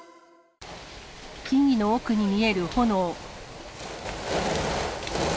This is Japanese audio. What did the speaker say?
木々の奥に見える炎。